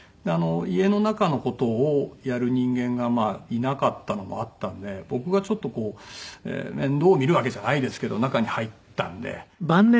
家の中の事をやる人間がいなかったのもあったので僕がちょっとこう面倒を見るわけじゃないですけど中に入ったので。